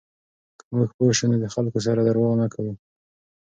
که موږ پوه شو، نو د خلکو سره درواغ نه کوو.